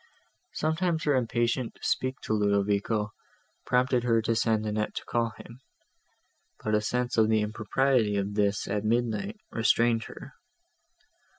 Sometimes her impatience to speak to Ludovico prompted her to send Annette to call him; but a sense of the impropriety of this at midnight restrained her.